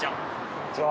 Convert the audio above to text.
こんにちは。